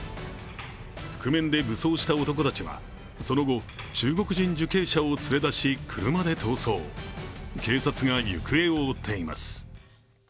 覆面で武装した男たちはその後中国人受刑者を連れ出し車で逃走警察が行方を追っています。